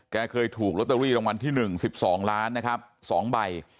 เคยถูกลอตเตอรี่รางวัลที่๑๑๒ล้านนะครับ๒ใบ